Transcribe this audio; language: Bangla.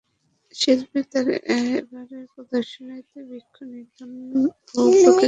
শিল্পী তাঁর এবারের প্রদর্শনীতে বৃক্ষনিধন, ভূ-প্রাকৃতিক দৃশ্য, প্রান্তিক মানুষের মুখাকৃতি—এসবকেই প্রাধান্য দিয়েছেন।